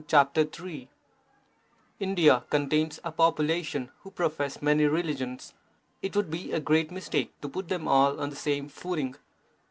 CHAPTER III India contains a population who profess many religions. It would be a great mistake to put them all on the same footing.